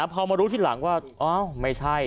พอมารู้ทีหลังว่าอ้าวไม่ใช่